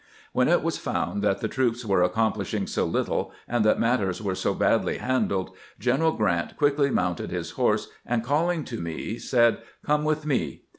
When it was found that the troops were accomplish ing so little, and that matters were so badly handled, Gleneral Grant quickly mounted his horse, and calling to me, said, " Come with me."